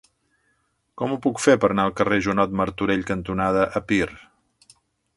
Com ho puc fer per anar al carrer Joanot Martorell cantonada Epir?